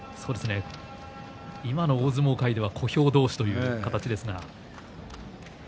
今の大相撲界では小兵同士という形ですが。